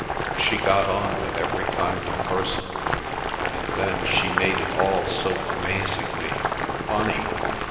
She got on with every kind of person, and then she made it all so amazingly—funny."